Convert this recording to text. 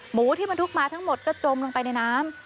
หมูที่บรรทุกมาทั้งหมดก็จมลงไปในน้ำ